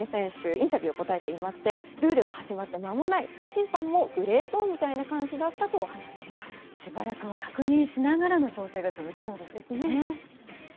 インタビューに答えていましてルールが始まってまもない審判もグレーゾーンみたいな感じだったとしばらくは確認しながらの調整が続きそうですね。